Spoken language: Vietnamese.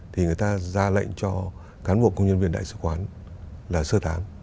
thì người ta ra lệnh cho cán bộ công nhân viên đại sứ quán là sơ tán